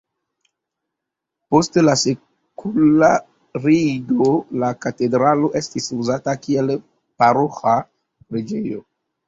Post la sekularigo la katedralo estis uzata kiel paroĥa preĝejo.